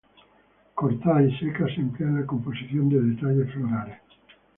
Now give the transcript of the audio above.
Cortada y seca se emplea en la composición de detalles florales.